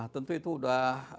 tentu itu sudah